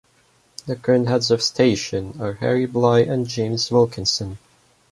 The current heads of station are Harry Bligh and James Wilkinson.